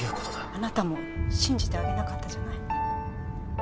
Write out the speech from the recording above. あなたも信じてあげなかったじゃない。